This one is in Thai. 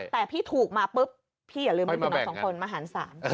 แต่พี่ถูกมาปุ๊บพี่อย่าลืมไม่คือหน่อย๒คนมาหาร๓